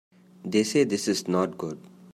They say this is not good.